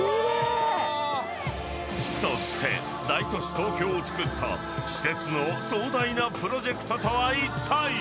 そして、大都市東京を作った私鉄の壮大なプロジェクトとは一体？